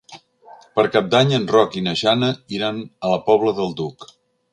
Per Cap d'Any en Roc i na Jana iran a la Pobla del Duc.